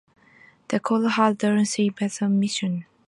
The call has drawn three submissions.